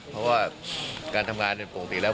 เพราะว่าการทำงานปกติแล้ว